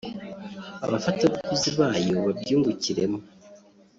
Abafatabuguzi bayo babyungukiremo